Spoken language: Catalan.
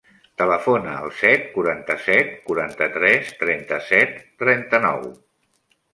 Telefona al set, quaranta-set, quaranta-tres, trenta-set, trenta-nou.